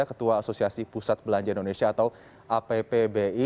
ketua asosiasi pusat belanja indonesia atau appbi